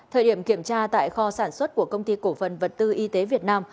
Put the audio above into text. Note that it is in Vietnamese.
thời điểm kiểm tra tại kho sản xuất của công ty cổ phần vật tư y tế việt nam